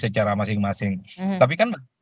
secara masing masing tapi kan